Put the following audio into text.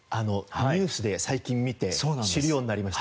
ニュースで最近見て知るようになりました。